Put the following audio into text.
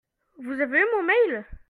Vous avez eu mon mail ?